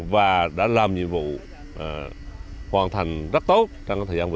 và đã làm nhiệm vụ hoàn thành rất tốt